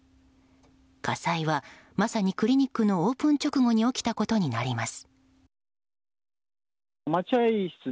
火災は、まさにクリニックのオープン直後に起きたことになります。